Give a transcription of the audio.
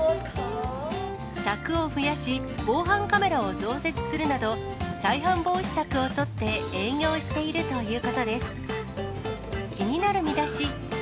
柵を増やし、防犯カメラを増設するなど、再犯防止策をとって営業しているということです。